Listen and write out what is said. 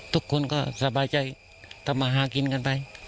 ทุกคนก็สบายใจทำมาหากินกันไป